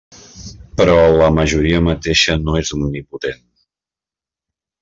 Però la majoria mateixa no és omnipotent.